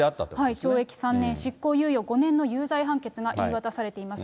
懲役３年執行猶予５年の有罪判決が言い渡されています。